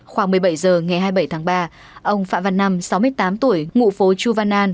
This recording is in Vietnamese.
khoảng một mươi bảy h ngày hai mươi bảy tháng ba ông phạm văn năm sáu mươi tám tuổi ngụ phố chu văn an